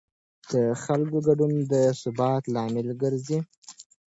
د خلکو ګډون د ثبات لامل ګرځي